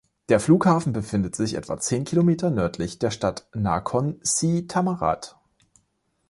Der Flughafen befindet sich etwa zehn Kilometer nördlich der Stadt Nakhon Si Thammarat.